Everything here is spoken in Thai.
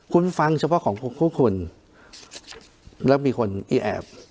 คุณฟังเฉพาะของพวกคุณแล้วมีคนอี้แอบ